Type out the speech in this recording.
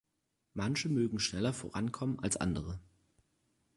Manche mögen schneller vorankommen als andere.